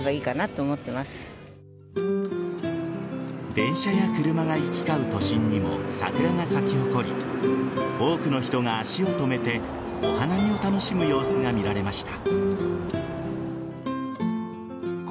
電車や車が行き交う都心にも桜が咲き誇り多くの人が足を止めてお花見を楽しむ様子が見られました。